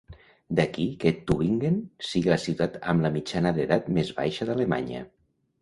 D'aquí que Tübingen sigui la ciutat amb la mitjana d'edat més baixa d'Alemanya.